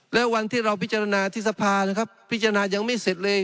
และวันที่เราพิจารณาที่สภานะครับพิจารณายังไม่เสร็จเลย